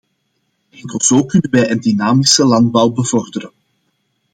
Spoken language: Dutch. Enkel zo kunnen wij een dynamische landbouw bevorderen.